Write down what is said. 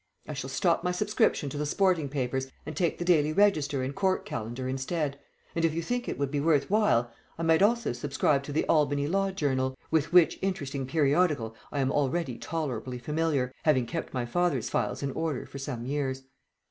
I shall stop my subscription to the sporting papers, and take the Daily Register and Court Calendar instead, and if you think it would be worth while I might also subscribe to the Albany Law Journal, with which interesting periodical I am already tolerably familiar, having kept my father's files in order for some years."